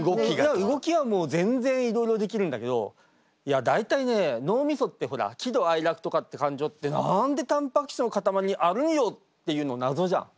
動きはもう全然いろいろできるんだけどいや大体ね脳みそってほら喜怒哀楽とかって感情って何でたんぱく質の塊にあるんよっていうの謎じゃん。